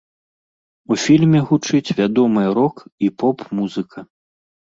У фільме гучыць вядомая рок і поп-музыка.